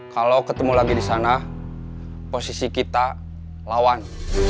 kalau ketemu lagi di sana posisi kita lawan